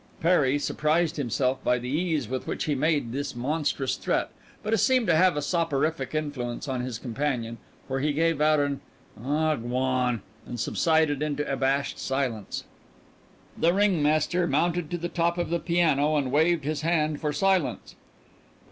Perry surprised himself by the ease with which he made this monstrous threat, but it seemed to have a soporific influence on his companion, for he gave out an "aw gwan" and subsided into abashed silence. The ringmaster mounted to the top of the piano and waved his hand for silence.